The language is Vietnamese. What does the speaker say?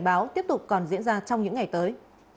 báo tiếp tục còn diễn ra trong những ngày tới